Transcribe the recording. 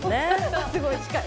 すごい近い。